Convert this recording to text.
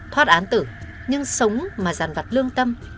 thoát án tử nhưng sống mà giàn vật lương tâm